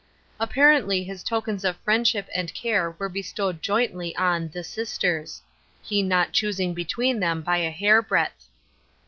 Apparently his tokens of friendship and care were bestowed jointly on the sisters — he not choosing between them by a hair breadth.